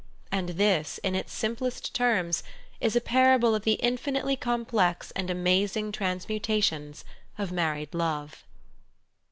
_ And this, in its simplest terms, is a parable of the infinitely complex and amazing trans mutations of married love.